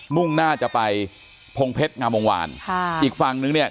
มุ่งหน้าจะไปพงเพชรงามวงวานค่ะอีกฝั่งนึงเนี่ย